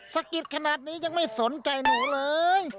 สะกิดขนาดนี้ยังไม่สนใจหนูเลย